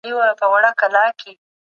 هغه څوک چې بد کوي، ته ورسره ښه وکړه.